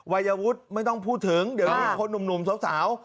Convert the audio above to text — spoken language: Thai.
วัยวุฒิไม่ต้องพูดถึงเดี๋ยวมีคนหนุ่มสาว